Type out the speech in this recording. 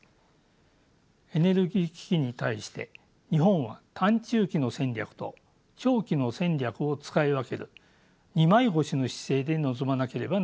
エネルギー危機に対して日本は短・中期の戦略と長期の戦略を使い分ける二枚腰の姿勢で臨まなければなりません。